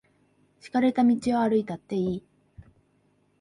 敷かれた道を歩いたっていい。